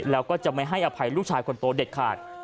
แล้วก็จะไม่ให้อภัยลูกชายคนโตเด็ดขาด